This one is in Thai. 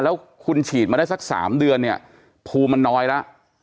แล้วคุณฉีดมาได้สัก๓เดือนเนี่ยภูมิมันน้อยแล้ว